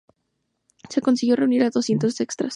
Se consiguió reunir a unos doscientos extras.